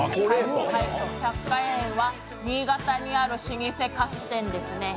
百花園は新潟にある老舗菓子店です。